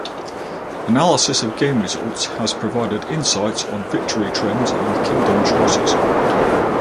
Analysis of game results has provided insights on victory trends and kingdom choices.